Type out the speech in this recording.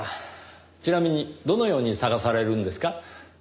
ちなみにどのように探されるんですか？